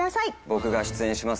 僕が出演します